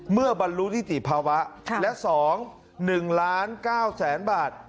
เมื่อบรรลุที่ติภาวะและสองหนึ่งล้านเก้าแสนบาท